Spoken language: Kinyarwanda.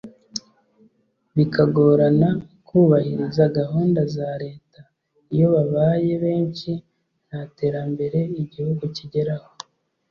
bikagorana kubahiriza gahunda za Leta; iyo babaye benshi nta terambere igihugu kigeraho”